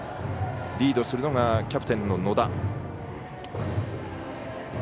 リードするのがキャプテンの野田。